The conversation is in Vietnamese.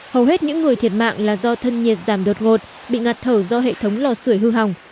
hầu hết những người thiệt mạng là do thân nhiệt giảm đột ngột bị ngạt thở do hệ thống lò sửa hư hỏng